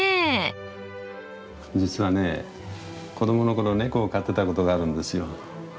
実はね子どもの頃猫を飼ってたことがあるんですよ。